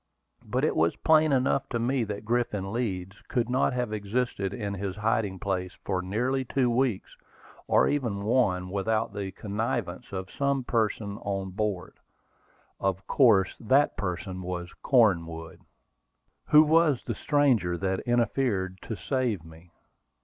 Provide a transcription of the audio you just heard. But it was plain enough to me that Griffin Leeds could not have existed in his hiding place for nearly two weeks, or even one, without the connivance of some person on board. Of course that person was Cornwood. Who was the stranger that interfered to save me?